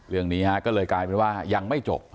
เรื่องนี้ก็เลยกลายเป็นว่ายังไม่จบ